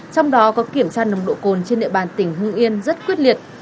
trong đó có kiểm tra lòng độ cồn trên địa bàn tỉnh hương yên rất quyết liệt